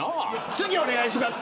次、お願いします。